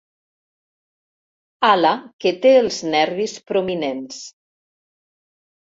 Ala que té els nervis prominents.